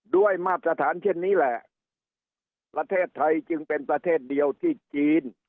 มาตรฐานเช่นนี้แหละประเทศไทยจึงเป็นประเทศเดียวที่จีน